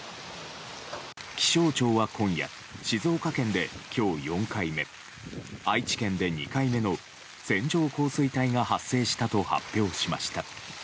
気象庁は、今夜静岡県で今日４回目愛知県で２回目の線状降水帯が発生したと発表しました。